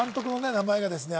名前がですね